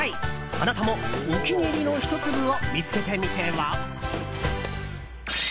あなたもお気に入りの１粒を見つけてみては？